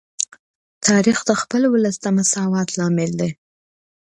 تاریخ د خپل ولس د مساوات لامل دی.